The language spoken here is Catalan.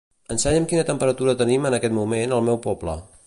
Ensenya'm quina temperatura tenim en aquest moment al meu poble.